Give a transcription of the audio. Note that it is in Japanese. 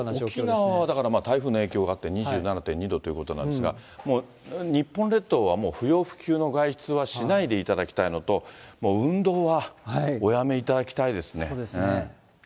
沖縄はだから、台風の影響があって２７．２度っていうことなんですが、もう日本列島は、不要不急の外出はしないでいただきたいのと、もう運動はおやめいただきたいですね。